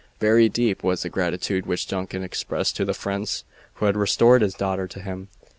Very deep was the gratitude which Duncan expressed to the friends who had restored his daughter to him.